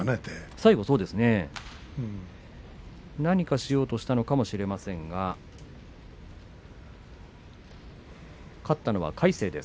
何かをしようとしたのかもしれませんが勝ったのは魁聖です。